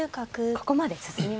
ここまで進みましたね。